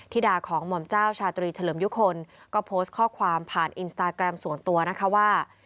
ดาของหม่อมเจ้าชาตรีเฉลิมยุคลก็โพสต์ข้อความผ่านอินสตาแกรมส่วนตัวนะคะว่า